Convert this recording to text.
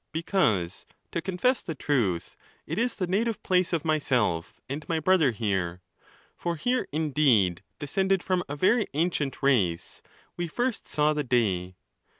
—Because, to confess the truth, it is the native place of myself and my brother here; for here indeed, descended from a very ancient race, we 'first saw the day.